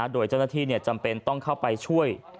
โดยเจ้าหน้าที่จำเป็นต้องเข้าไปช่วย